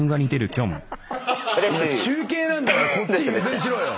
中継なんだからこっち優先しろよ！